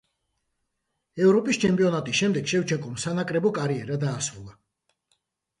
ევროპის ჩემპიონატის შემდეგ შევჩენკომ სანაკრებო კარიერა დაასრულა.